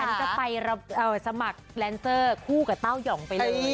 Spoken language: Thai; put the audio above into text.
ฉันก็ไปสมัครแลนเซอร์คู่กับเต้ายองไปเลย